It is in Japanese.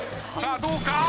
さあどうか？